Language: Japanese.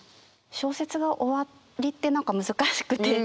小説が終わりって何か難しくて。